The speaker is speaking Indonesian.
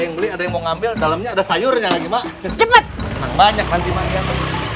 yang beli ada yang mau ngambil dalamnya ada sayurnya lagi mak cepet banyak banyak